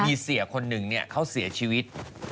มีเสียคนหนึ่งเขาเสียชีวิต